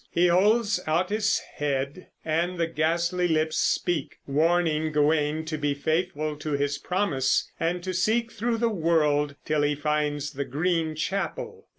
He holds out his head and the ghastly lips speak, warning Gawain to be faithful to his promise and to seek through the world till he finds the Green Chapel.